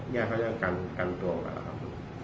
ย่าเขาจะกันตัวก่อนแล้วครับ